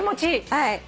はい。